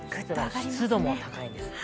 湿度も高いです。